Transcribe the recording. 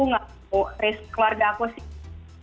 nggak tahu race keluarga aku sih